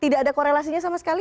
tidak ada korelasinya sama sekali